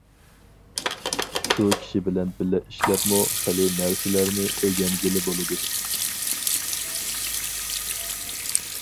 شۇ كىشى بىلەن بىللە ئىشلەپمۇ خېلى نەرسىلەرنى ئۆگەنگىلى بولىدۇ.